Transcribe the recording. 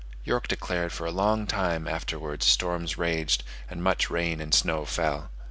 York declared for a long time afterwards storms raged, and much rain and snow fell.